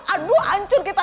aduh ancur kita